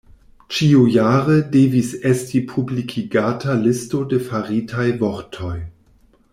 Ĉiujare devis esti publikigata listo de faritaj vortoj.